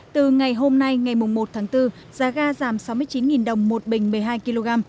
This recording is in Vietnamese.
từ ngày hôm nay ngày một tháng bốn giá ga giảm sáu mươi chín đồng một bình một mươi hai kg